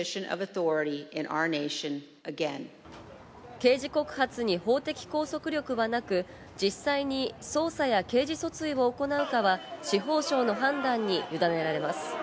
刑事告発に法的拘束力はなく、実際に捜査や刑事訴追を行うかは司法省の判断にゆだねられます。